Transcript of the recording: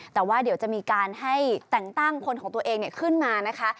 แต่ว่าเดี๋ยวจะมีการให้แต่งตั้งคนของตัวเองขึ้นมานะคะ